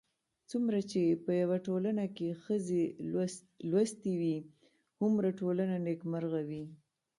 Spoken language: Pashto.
څومره چې په يوه ټولنه کې ښځې لوستې وي، هومره ټولنه نېکمرغه وي